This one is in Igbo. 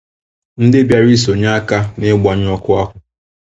ndị bịara iso nye aka n'ịgbanyụ ọkụ ahụ